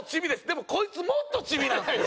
でもこいつもっとチビなんですよ。